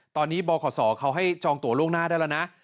ตอนนี้บขเขาให้จองตัวล่วงหน้าได้แล้วนะ